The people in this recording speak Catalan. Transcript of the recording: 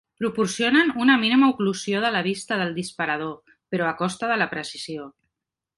Proporcionen una mínima oclusió de la vista del disparador, però a costa de la precisió.